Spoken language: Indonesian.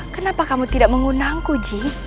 kenapa kamu tidak mengundangku ji